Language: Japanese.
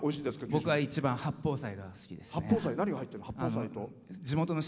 僕は一番八宝菜が好きですね。